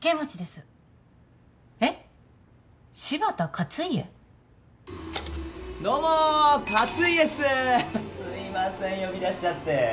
すいません呼び出しちゃって。